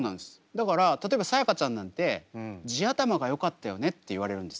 だから例えばさやかちゃんなんて地頭がよかったよねって言われるんです。